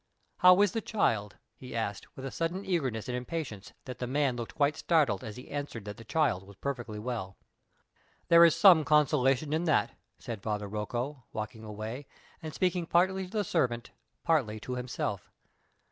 "How is the child?" he asked, with such sudden eagerness and impatience, that the man looked quite startled as he answered that the child was perfectly well. "There is some consolation in that," said Father Rocco, walking away, and speaking partly to the servant, partly to himself.